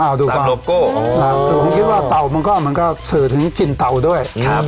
เอาดูกำโลโก้ผมคิดว่าเต่ามันก็มันก็สื่อถึงกลิ่นเต่าด้วยครับ